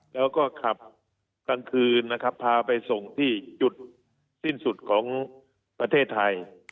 แล้วก็ขับกลางคืนนะครับพาไปส่งที่จุดสิ้นสุดของประเทศไทย